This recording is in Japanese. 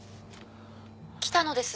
☎北野です。